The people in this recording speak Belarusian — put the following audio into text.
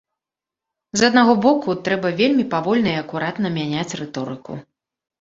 З аднаго боку, трэба вельмі павольна і акуратна мяняць рыторыку.